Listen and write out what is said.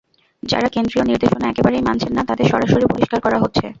যাঁরা কেন্দ্রীয় নির্দেশনা একেবারেই মানছেন না, তাঁদের সরাসরি বহিষ্কার করা হচ্ছে।